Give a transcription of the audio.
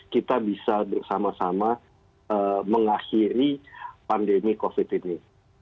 kita bisa bersama sama mengakhiri pandemi covid ini